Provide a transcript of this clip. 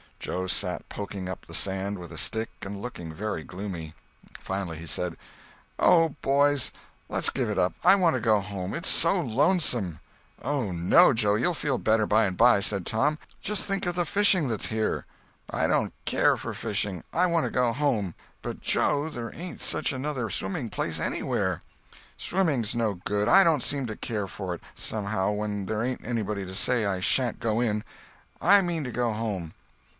Joe sat poking up the sand with a stick and looking very gloomy. Finally he said: "Oh, boys, let's give it up. I want to go home. It's so lonesome." "Oh no, Joe, you'll feel better by and by," said Tom. "Just think of the fishing that's here." "I don't care for fishing. I want to go home." "But, Joe, there ain't such another swimming place anywhere." "Swimming's no good. I don't seem to care for it, somehow, when there ain't anybody to say I sha'n't go in. I mean to go home."